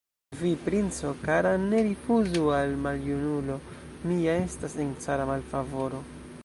Vi, princo kara, ne rifuzu al maljunulo, mi ja estas en cara malfavoro!